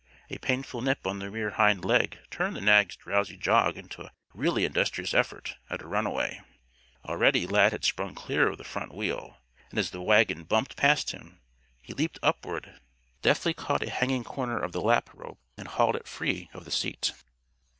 A painful nip on the rear hind leg turned the nag's drowsy jog into a really industrious effort at a runaway. Already, Lad had sprung clear of the front wheel. As the wagon bumped past him, he leaped upward; deftly caught a hanging corner of the lap robe and hauled it free of the seat.